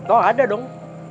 oh ada dong